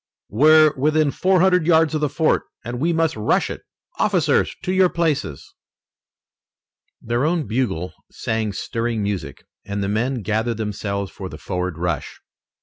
"We're within four hundred yards of the fort, and we must rush it! Officers, to your places!" Their own bugle sang stirring music, and the men gathered themselves for the forward rush.